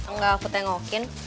enggak aku tengokin